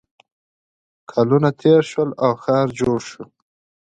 کلونه تېر شول او ښار جوړ شو